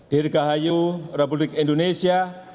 dirgahayu republik indonesia